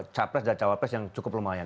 capres dan cawapres yang cukup lumayan